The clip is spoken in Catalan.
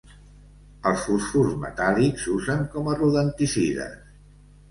Els fosfurs metàl·lics s'usen com a rodenticides.